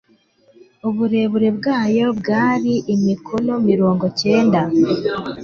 uburebure bwayo bwari imikono mirongo cyenda